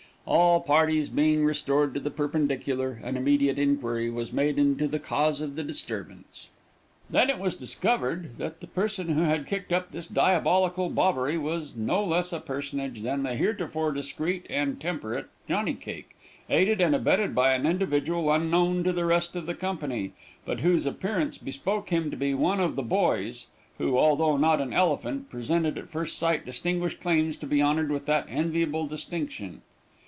All parties being restored to the perpendicular, an immediate inquiry was made into the cause of the disturbance. Then it was discovered that the person who had kicked up this diabolical bobbery was no less a personage than the heretofore discreet and temperate Johnny Cake, aided and abetted by an individual unknown to the rest of the company, but whose appearance bespoke him to be one of the boys, who, although not an "Elephant," presented at first sight distinguished claims to be honored with that enviable distinction.